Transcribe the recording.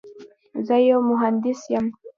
زه یو مهندس یم.